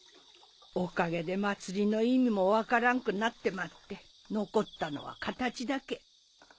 おかげで祭りの意味も分からんくなってまって残ったのは形だけ。